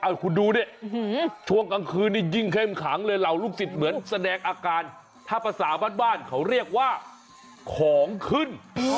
คุณดูดิช่วงกลางคืนนี่ยิ่งเข้มขังเลยเหล่าลูกศิษย์เหมือนแสดงอาการถ้าภาษาบ้านเขาเรียกว่าของขึ้น